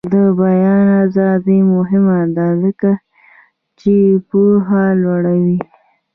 د بیان ازادي مهمه ده ځکه چې پوهه لوړوي.